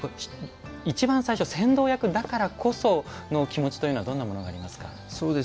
一番最初、先導役だからこその気持ちというのはどんなものがありますか？